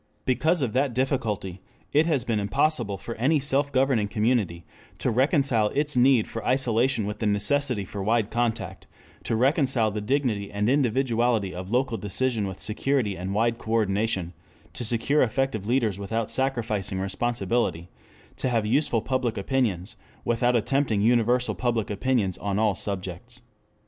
Because of that difficulty, it has been impossible for any self governing community to reconcile its need for isolation with the necessity for wide contact, to reconcile the dignity and individuality of local decision with security and wide coordination, to secure effective leaders without sacrificing responsibility, to have useful public opinions without attempting universal public opinions on all subjects.